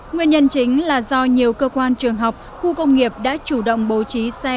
nguyên nhân chính là do nhiều cơ quan trường học khu công nghiệp đã chủ động bố trí xe